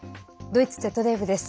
ドイツＺＤＦです。